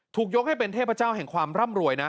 ยกให้เป็นเทพเจ้าแห่งความร่ำรวยนะ